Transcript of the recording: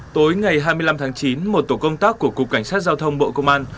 tối ngày hai mươi năm tháng chín một tổ công tác của cục cảnh sát giao thông bộ công an